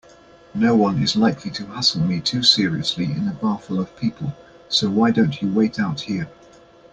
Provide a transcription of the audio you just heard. Noone is likely to hassle me too seriously in a bar full of people, so why don't you wait out here?